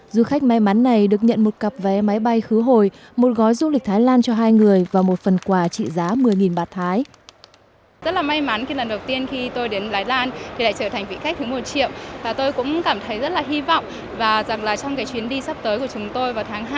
du khách may mắn này được nhận một cặp vé máy bay khứ hồi một gói du lịch thái lan cho hai người và một phần quà trị giá một mươi bạt thái